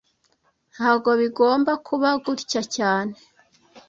Ntago bigomba kuba gutya cyane